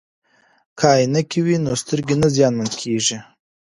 که عینکې وي نو سترګې نه زیانمن کیږي.